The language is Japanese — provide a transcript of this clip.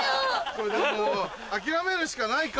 これでも諦めるしかないか。